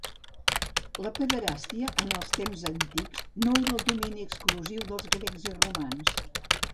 La pederàstia en els temps antics no era el domini exclusiu dels grecs i romans.